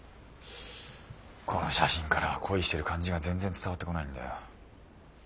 この写真からは恋してる感じが全然伝わってこないんだよ。